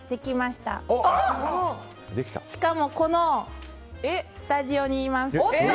しかも、このスタジオにいます。